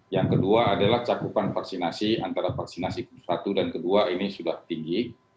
yang kedua adalah cakupan vaksinasi antara vaksinasi satu dan kedua ini sudah tinggi